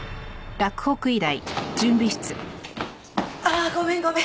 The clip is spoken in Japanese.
あごめんごめん！